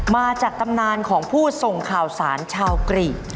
มาจากตำนานของผู้ส่งข่าวสารชาวกรีก